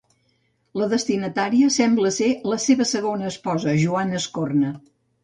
La destinatària sembla ser la seva segona esposa, Joana Escorna.